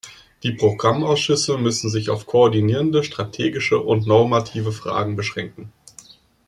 Die Programmausschüsse müssen sich auf koordinierende strategische und normative Fragen beschränken.